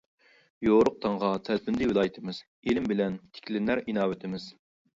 يورۇق تاڭغا تەلپۈندى ۋىلايىتىمىز، ئىلىم بىلەن تىكلىنەر ئىناۋىتىمىز.